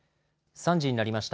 ３時になりました。